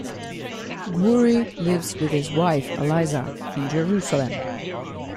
Gouri lives with his wife, Aliza, in Jerusalem.